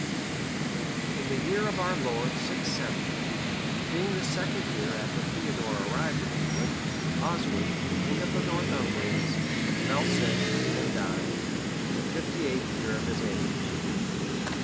] In the year of our Lord 670,(561) being the second year after Theodore arrived in England, Oswy, king of the Northumbrians, fell sick, and died, in the fifty eighth year of his age.